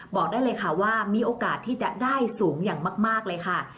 บอกได้เลยค่ะว่ามีโอกาสที่จะได้สูงอย่างมากเลยค่ะ